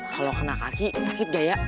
kalo kena kaki sakit gak ya